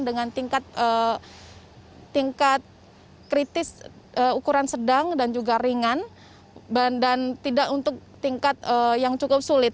dengan tingkat kritis ukuran sedang dan juga ringan dan tidak untuk tingkat yang cukup sulit